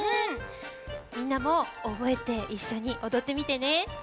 みんなもおぼえていっしょにおどってみてね。